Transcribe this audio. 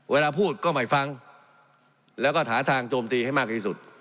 เวลาพูดก็ไม่ฟังแล้วก็หาทางโจมตีให้มากที่สุด